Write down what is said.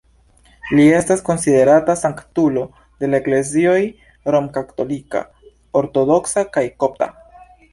Li estas konsiderata sanktulo de la Eklezioj Romkatolika, Ortodoksa kaj Kopta.